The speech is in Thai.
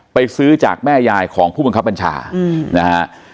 ซื้อจากแม่ยายของผู้บังคับบัญชานะฮะ